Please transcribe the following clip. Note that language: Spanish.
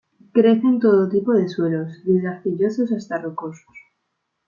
Crece en todo tipo de suelos, desde arcillosos hasta rocosos.